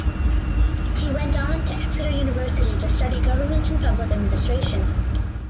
He went on to Exeter University to study Government and Public Administration.